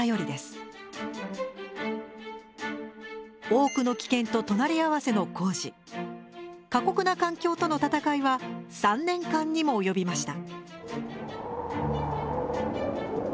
多くの危険と隣り合わせの工事過酷な環境との戦いは３年間にも及びました。